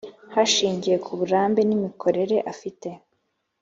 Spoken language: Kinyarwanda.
hashingiwe ku burambe n imikorere afite